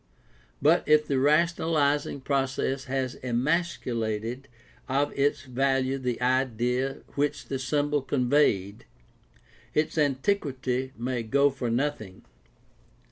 But if the rationalizing process has emascu lated of its value the idea which the symbol conveyed, its antiquity may go for nothing.